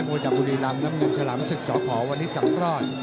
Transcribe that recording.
มวยจากบุรีลำน้ำเงินชะลำศึกษอขอวันนี้สังครอด